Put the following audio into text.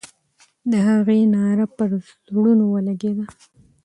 د هغې ناره پر زړونو لګېدله.